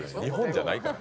日本じゃない。